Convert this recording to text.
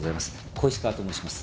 小石川と申します。